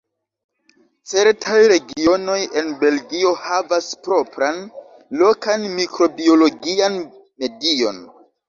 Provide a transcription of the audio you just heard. Certaj regionoj en Belgio havas propran, lokan mikrobiologian medion.